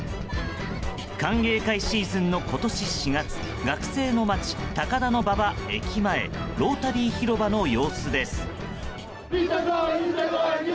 歓迎会シーズンの今年４月学生の街、高田馬場駅前ロータリー広場の様子です。